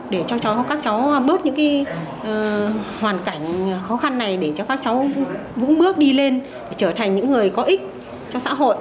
để cho các cháu bớt những hoàn cảnh khó khăn này để cho các cháu vũ bước đi lên trở thành những người có ích